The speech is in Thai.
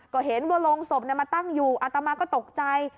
ก็เห็นว่าโรงศพมาตั้งอยู่อัตมาก็ตกใจ